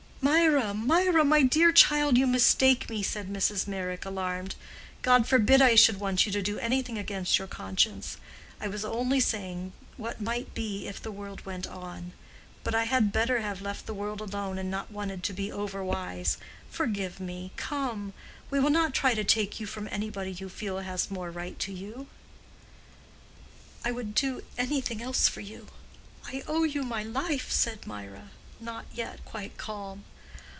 "Mirah, Mirah, my dear child, you mistake me!" said Mrs. Meyrick, alarmed. "God forbid I should want you to do anything against your conscience. I was only saying what might be if the world went on. But I had better have left the world alone, and not wanted to be over wise. Forgive me, come! we will not try to take you from anybody you feel has more right to you." "I would do anything else for you. I owe you my life," said Mirah, not yet quite calm.